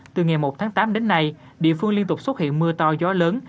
từ ngày một tháng tám đến nay địa phương liên tục xuất hiện mưa to gió lớn